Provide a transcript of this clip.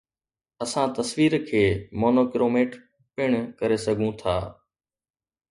اسان تصوير کي مونوڪروميٽ پڻ ڪري سگهون ٿا